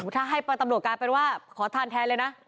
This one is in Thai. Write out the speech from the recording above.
ถ้าให้ไปตำรวจกลายเป็นว่าขอทานแทนเลยนะ